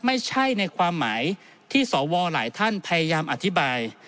ไม่ใช่ในความหมายที่สวหลายท่านพยายามอธิบาย